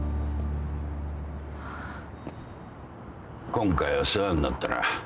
今回は世話になったな。